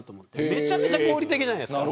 めちゃめちゃ合理的じゃないですか。